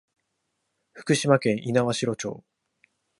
福島県猪苗代町